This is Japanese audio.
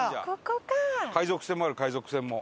伊達：海賊船もある、海賊船も。